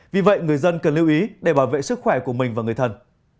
vì vậy người dân cần lưu ý để bảo vệ sức khỏe của mình và người thân